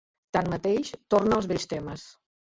Tanmateix, torna als vells temes.